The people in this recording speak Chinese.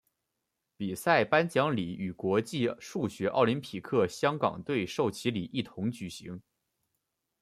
比赛颁奖礼与国际数学奥林匹克香港队授旗礼一同举行。